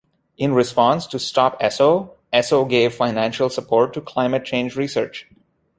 In response to Stop Esso, Esso gave financial support to climate change research.